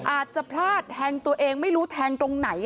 อาจจะพลาดแทงตัวเองไม่รู้แทงตรงไหน